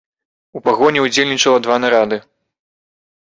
У пагоні ўдзельнічала два нарады.